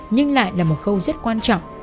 nhưng lại là một khâu rất quan trọng